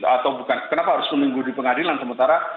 atau bukan kenapa harus menunggu di pengadilan sementara